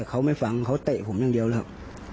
เขาไม่ฟังเขาเตะผมอย่างเดียวแล้ว